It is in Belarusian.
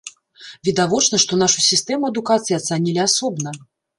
Відавочна, што нашу сістэму адукацыі ацанілі асобна.